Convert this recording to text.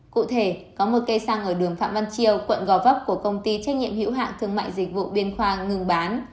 cụ thể có một cây xăng ở đường phạm văn chiêu quận gò vấp của công ty trách nhiệm hữu hạng thương mại dịch vụ biên khoa ngưng bán